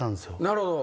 なるほど。